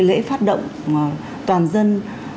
lễ phát động toàn dân